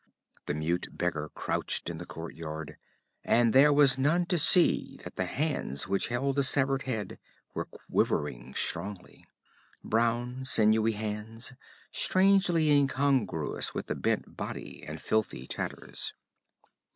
The mute beggar crouched in the courtyard, and there was none to see that the hands which held the severed head were quivering strongly brown, sinewy hands, strangely incongruous with the bent body and filthy tatters.